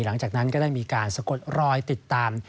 หลังจากนั้นก็ได้มีการสะกดรอยติดตาม